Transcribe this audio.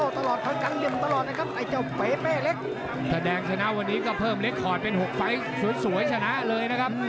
แสดงชนะวันนี้ก็เพิ่มเล็กคอร์ดเป็น๖ไฟล์สวยชนะเลยนะครับ